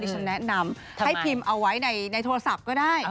ฉันแนะนำให้พิมพ์เอาไว้ในโทรศัพท์ก็ได้